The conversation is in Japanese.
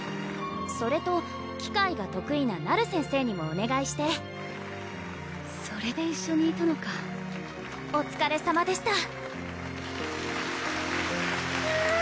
それと機械が得意なナル先生にもおねがいしてそれで一緒にいたのかおつかれさまでした！